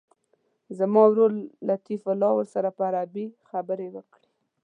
زما ورور لطیف الله ورسره په عربي خبرې وکړي.